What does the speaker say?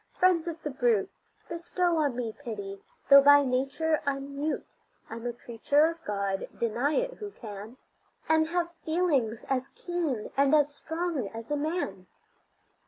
friends of the brute! Bestow on me pity. Though by nature I'm mute, I'm a creature of God deny it who can And have feelings as keen and as strong as a man.